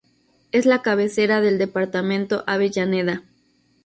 Es la cabecera del departamento Avellaneda.